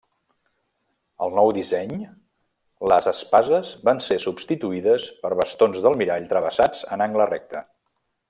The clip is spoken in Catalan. Al nou disseny, les espases van ser substituïdes per bastons d'almirall travessats en angle recte.